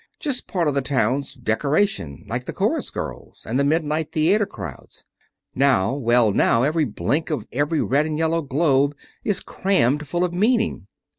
Just part of the town's decoration like the chorus girls, and the midnight theater crowds. Now well, now every blink of every red and yellow globe is crammed full of meaning.